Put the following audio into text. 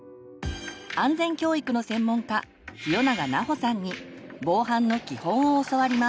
安全教育の専門家清永奈穂さんに防犯の基本を教わります。